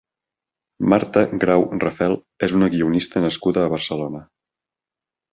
Marta Grau Rafel és una guionista nascuda a Barcelona.